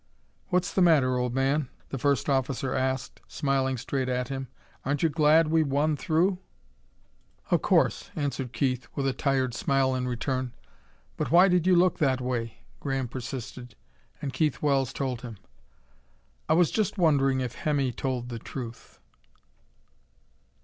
"What's the matter, old man?" the first officer asked, smiling straight at him. "Aren't you glad we won through?" "Of course," answered Keith with a tired smile in return. "But why did you look that way?" Graham persisted. And Keith Wells told him: "I was just wondering if Hemmy told the truth."